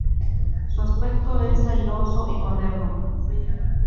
Su aspecto es airoso y moderno.